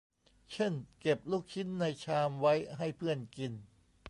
เช่น เก็บลูกชิ้นในชามไว้ให้เพื่อนกิน